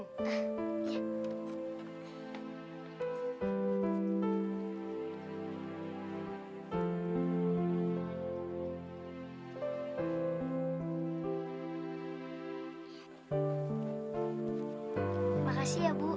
terima kasih ya bu